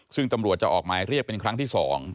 ซึ่งตำรวจจะออกหมายเรียกเป็นครั้งที่๒